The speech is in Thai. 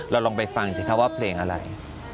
ลองไปฟังสิคะว่าเพลงอะไร